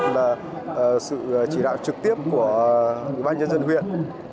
là sự chỉ đạo trực tiếp của quý bác nhân dân huyện